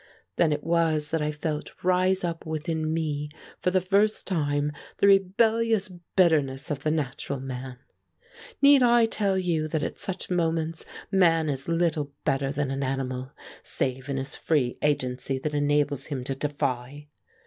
Then it was that I felt rise up within me for the first time the rebellious bitterness of the natural man. Need I tell you that at such moments man is little better than an animal, save in his free agency that enables him to defy?